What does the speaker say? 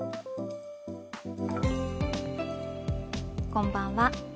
こんばんは。